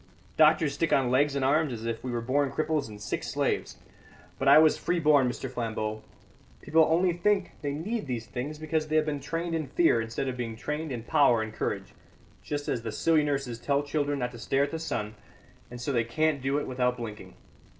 Doctors stick on legs and arms as if we were born cripples and sick slaves. But I was free born, Mr. Flambeau! People only think they need these things because they have been trained in fear instead of being trained in power and courage, just as the silly nurses tell children not to stare at the sun, and so they can't do it without blinking.